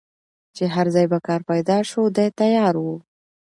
چي هر ځای به کار پیدا سو دی تیار وو